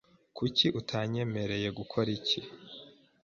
Kuki utanyemereye gukora iki?